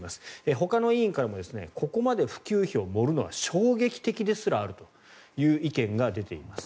ほかの委員からもここまで普及費を盛るのは衝撃的ですらあるという意見も出ています。